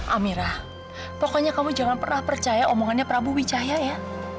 amirah pokoknya kamu jangan pernah percaya omongannya prabu wicaya ya